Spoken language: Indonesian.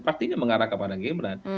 pastinya mengarah kepada gibran